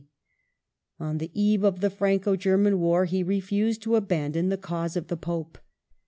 On the eve of the Franco German War he refused to abandon the cause of the Pope.